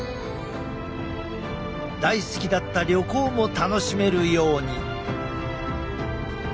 大好きだった旅行も楽しめるように。